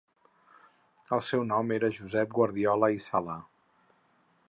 El seu nom era Josep Guardiola i Sala.